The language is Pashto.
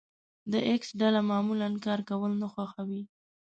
د ايکس ډله معمولا کار کول نه خوښوي.